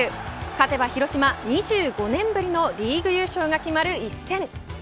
勝てば広島、２５年ぶりのリーグ優勝が決まる一戦。